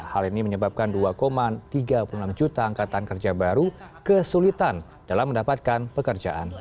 hal ini menyebabkan dua tiga puluh enam juta angkatan kerja baru kesulitan dalam mendapatkan pekerjaan